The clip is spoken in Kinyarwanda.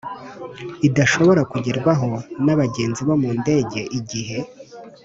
Idashobora kugerwaho n abagenzi bo mu ndege igihe